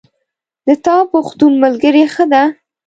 د تا پښتون ملګری ښه ده